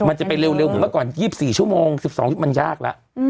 มันจะไปเร็วเหมือนก่อน๒๔ชั่วโมง๑๒ชั่วโมงมันยากละ